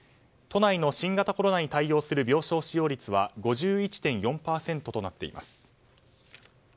都内の新型コロナに対応する病床使用率は５１．４％となっています。